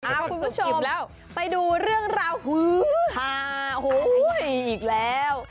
คุณผู้ชมไปดูเรื่องราวอีกแล้ว